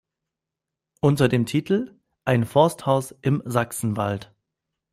Unter dem Titel "Ein Forsthaus im Sachsenwald.